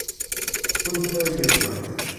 คุณเคยดื่มไหม